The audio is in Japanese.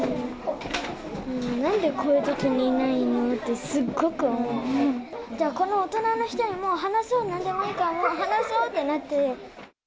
なんでこういうときにいないじゃあ、この大人の人にもう話そう、なんでもいいから話そうってなって。